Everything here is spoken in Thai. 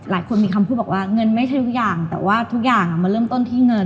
หลายคนมีคำพูดบอกว่าเงินไม่ใช่ทุกอย่างแต่ว่าทุกอย่างมันเริ่มต้นที่เงิน